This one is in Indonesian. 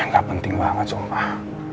gak penting banget sumpah